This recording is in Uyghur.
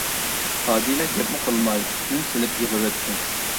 ئادىلە گەپمۇ قىلالماي ئۈن سېلىپ يىغلىۋەتتى.